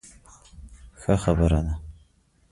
ښه خبره ده.